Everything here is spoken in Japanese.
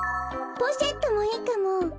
ポシェットもいいかも！